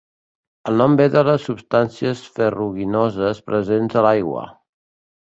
El nom ve de les substàncies ferruginoses presents a l'aigua.